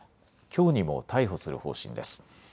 きょうにも逮捕する方針です。